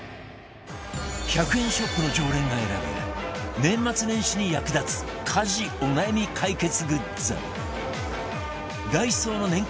１００円ショップの常連が選ぶ年末年始に役立つ家事お悩み解決グッズダイソーの年間